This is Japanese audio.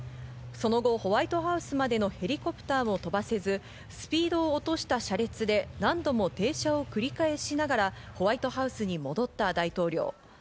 その後、ホワイトハウスまでのヘリコプターも飛ばせず、スピードを落とした車列で何度も停車を繰り返しながらホワイトハウスに戻った大統領。